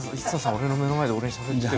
俺の目の前で俺にしゃべってる。